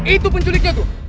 itu penculiknya tuh